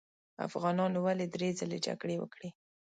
افغانانو ولې درې ځلې جګړې وکړې.